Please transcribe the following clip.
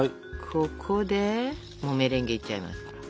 ここでもうメレンゲいっちゃいますから。